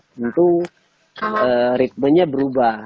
tentu ritmenya berubah